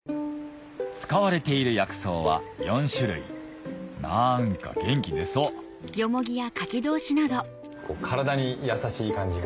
使われている薬草は４種類何か元気出そう体に優しい感じが。